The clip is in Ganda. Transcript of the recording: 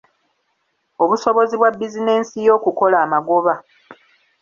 Obusobozi bwa bizinensi yo okukola amagoba.